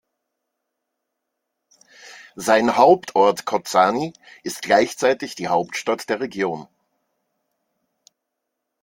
Sein Hauptort Kozani ist gleichzeitig die Hauptstadt der Region.